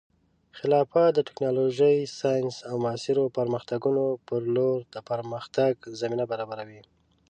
خلافت د ټیکنالوژۍ، ساینس، او معاصرو پرمختګونو په لور د پرمختګ زمینه برابروي.